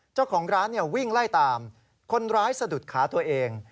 เจ้าของร้านวิ่งไล่ตามคนร้ายสะดุดขาตัวเอง